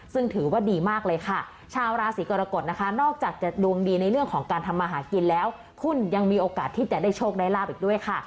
ซึ่งถือว่าดีมากเลยค่ะชาวราศีกรกฎนะคะนอกจากจะดวงดีในเรื่องของการทำมาหากินแล้วคุณยังมีโอกาสที่จะได้โชคได้ลาบอีกด้วยค่ะ